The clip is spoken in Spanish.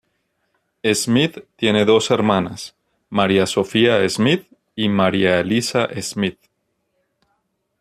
Smith tiene dos hermanas, María Sofía Smith y María Elisa Smith.